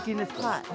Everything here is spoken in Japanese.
はい。